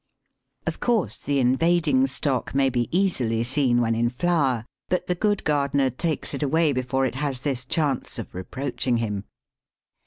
Of course the invading stock may be easily seen when in flower, but the good gardener takes it away before it has this chance of reproaching him.